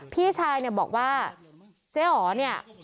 พี่ชายบอกว่าเจ๊อ๋อเนี่ย